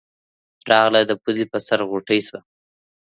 راغله د پوزې پۀ سر غوټۍ شوه